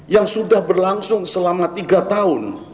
yang sudah berlangsung selama tiga tahun